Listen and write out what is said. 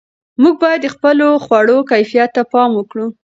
موږ باید د خپلو خوړو کیفیت ته پام وکړو.